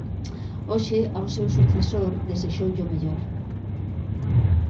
Hoxe, ao seu sucesor, desexoulle o mellor.